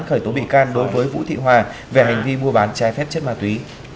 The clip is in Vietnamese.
khởi tố bị can đối với vũ thị hòa về hành vi mua bán trái phép chất ma túy